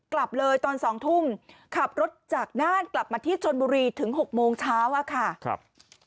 กลับเลยตอน๒ทุ่มขับรถจากน่านกลับมาที่ชนบุรีถึง๖โมงเช้าอะค่ะครับ